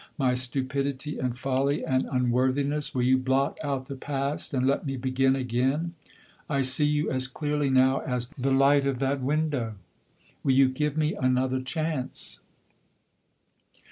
my stupidity and folly and unworthiness? Will you blot out the past and let me begin again. I see you as clearly now as the light of that window. Will you give me another chance?"